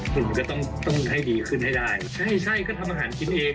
คุณก็ต้องต้องให้ดีขึ้นให้ได้ใช่ใช่ก็ทำอาหารกินเอง